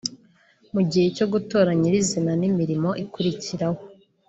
mu gihe cyo gutora nyirizina n’imirimo ikurikiraho